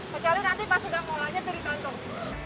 kecuali nanti pas sudah mulanya diri kantong